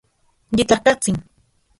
Yitlajkatsin